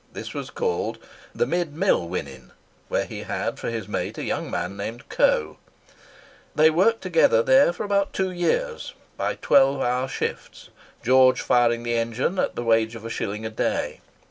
This was called the "Mid Mill Winnin," where he had for his mate a young man named Coe. They worked together there for about two years, by twelve hour shifts, George firing the engine at the wage of a shilling a day.